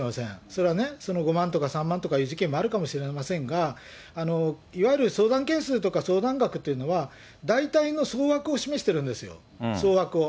それは５万とか３万とかいう事件もあるかもしれませんが、いわゆる相談件数とか、相談額っていうのは、大体の総枠を示してるんですよ、総額を。